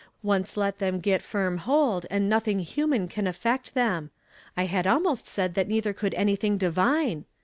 Once let them get firm hold, and nothing human can affect them. I had almost said that neither could anything divine.